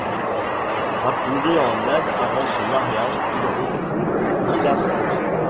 Rappelé en Inde avant son mariage, il retrouve Dilafrose.